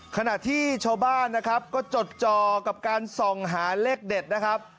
ขณะที่ชาวบ้านนะครับก็จดจอกับการส่องหาเลขเด็ดนะครับ